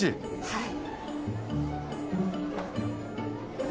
はい。